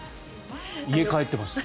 家帰ってました。